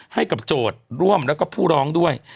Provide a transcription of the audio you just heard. โจทย์ร่วมแล้วก็ผู้ร้องด้วย